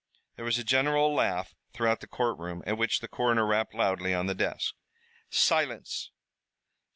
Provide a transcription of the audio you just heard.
There was a general laugh throughout the courtroom, at which the coroner rapped loudly on the desk. "Silence.